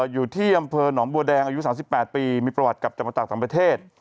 อยู่ที่อำเภอหนองบัวแดงอายุ๓๘ปีมีประวัติกลับจากมาจากต่างประเทศ